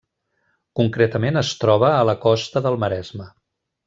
Concretament es troba a la Costa del Maresme.